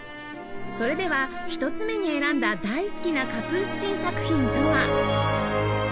それでは１つ目に選んだ大好きなカプースチン作品とは